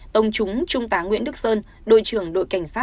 tổng chúng trung tá nguyễn đức sơn đội trưởng đội cảnh sát